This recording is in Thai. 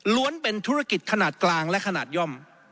เป็นธุรกิจขนาดกลางและขนาดย่อม